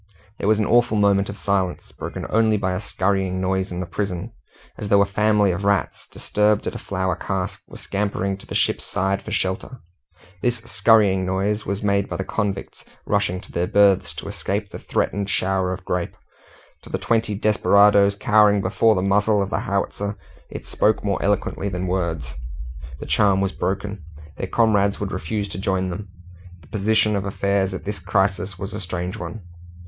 There was an awful moment of silence, broken only by a skurrying noise in the prison, as though a family of rats, disturbed at a flour cask, were scampering to the ship's side for shelter. This skurrying noise was made by the convicts rushing to their berths to escape the threatened shower of grape; to the twenty desperadoes cowering before the muzzle of the howitzer it spoke more eloquently than words. The charm was broken; their comrades would refuse to join them. The position of affairs at this crisis was a strange one.